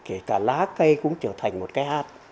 kể cả lá cây cũng trở thành một cái hát